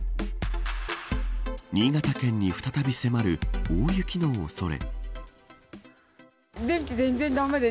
新潟県に再び迫る大雪の恐れ。